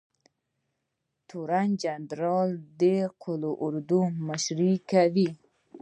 تورن جنرال د قول اردو مشري کوي